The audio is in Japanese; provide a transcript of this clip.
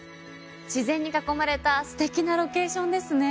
自然に囲まれたステキなロケーションですね。